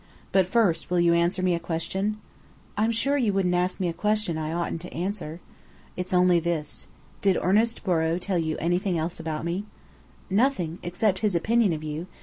But first, will you answer me a question?" "I'm sure you wouldn't ask me a question I oughtn't to answer." "It's only this: Did Ernest Borrow tell you anything else about me?" "Nothing, except his opinion of you.